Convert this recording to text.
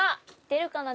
出るかな？